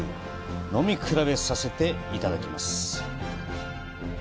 飲み比べさせていただきます。